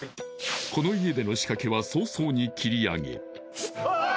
この家での仕掛けは早々に切り上げ